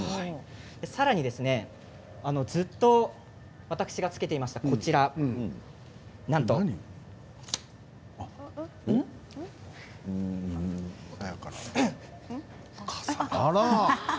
さらに、ずっと私が着けていましたこちらあら！